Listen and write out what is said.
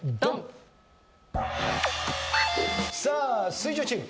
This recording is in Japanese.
水１０チーム。